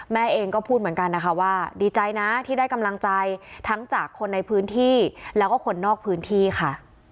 แม่เองก็พูดเหมือนกันนะคะว่าดีใจนะที่ได้กำลังใจทั้งจากคนในพื้นที่แล้วก็คนนอกพื้นที่ค่ะ